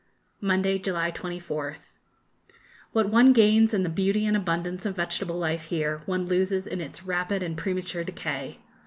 Monday, July 24th. What one gains in the beauty and abundance of vegetable life here, one loses in its rapid and premature decay.